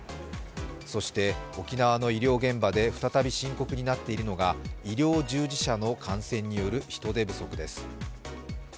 そして、沖縄の医療現場で再び深刻になっているのが医療従事者の感染による人手不足です。